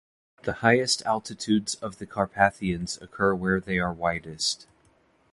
The highest altitudes of the Carpathians occur where they are widest.